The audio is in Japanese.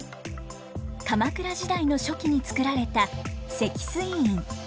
鎌倉時代の初期に作られた石水院。